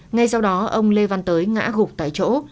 ngay sau đó ông lê văn tới ngã gục tại chỗ